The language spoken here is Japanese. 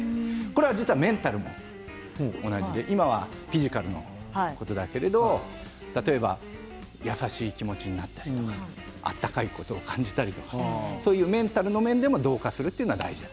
これは実はメンタルも同じで今はフィジカルのことだけど例えば優しい気持ちになったりとか温かいことを感じたりとかそういうメンタルの面でも同化することが大事。